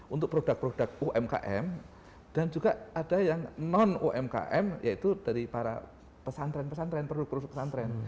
untuk produk produk umkm dan juga ada yang non umkm yaitu dari para pesantren pesantren produk produk pesantren